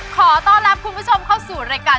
ขอต้อนรับคุณผู้ชมเข้าสู่รายการ